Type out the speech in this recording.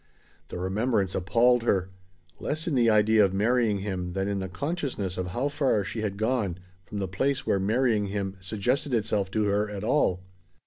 The remembrance appalled her; less in the idea of marrying him than in the consciousness of how far she had gone from the place where marrying him suggested itself to her at all.